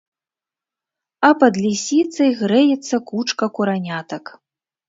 А пад лісіцай грэецца кучка куранятак.